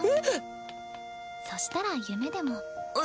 えっ⁉そしたら夢でも。